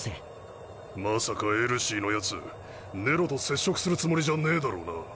まさかエルシーのヤツネロと接触するつもりじゃねえだろうな。